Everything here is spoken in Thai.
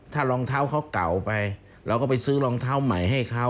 ถ้ารองเท้าเขาเก่าไปเราก็ไปซื้อรองเท้าใหม่ให้เขา